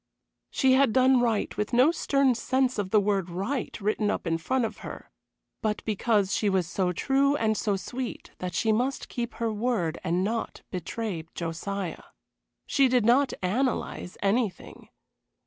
She had done right with no stern sense of the word "Right" written up in front of her, but because she was so true and so sweet that she must keep her word and not betray Josiah. She did not analyze anything.